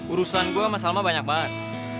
urusan gue sama salma banyak banget